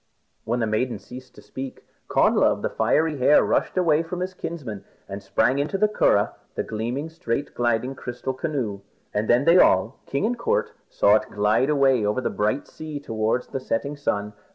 When the maiden ceased to speak, Connla of the Fiery Hair rushed away from them and sprang into the curragh, the gleaming, straight gliding crystal canoe. And then they all, king and court, saw it glide away over the bright sea towards the setting sun.